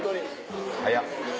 早っ。